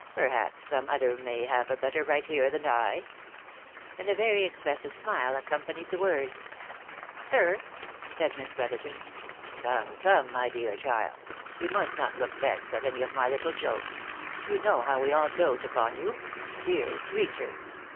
" Perhaps some other may have a better right here than I V 1 And a very expressive smile accompanied the words. " Sir ?" said Miss Brotherton. " Come, come, my dear child, you must not look vexed at any of my little jokes. You know how we all dote upon you ! Dear creature